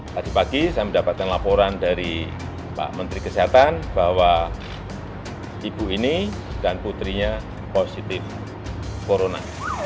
tadi pagi saya mendapatkan laporan dari pak menteri kesehatan bahwa ibu ini dan putrinya positif corona